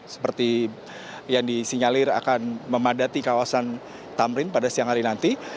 seperti yang disinyalir akan memadati kawasan tamrin pada siang hari nanti